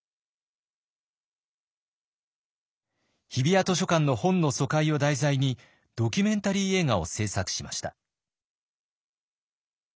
日比谷図書館の本の疎開を題材にドキュメンタリー映画を製作しました。